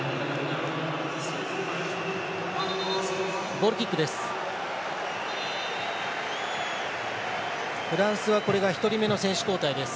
ゴールキックです。